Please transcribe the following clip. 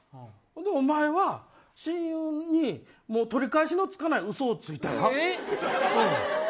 お前は、親友に取り返しのつかないうそをついたやん。